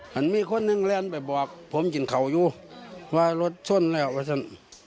มันมีคนหนึ่งแลนดไปบอกผมกินเขาอยู่ว่ารถชนแล้วก็สน